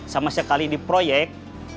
sama sekali di proyek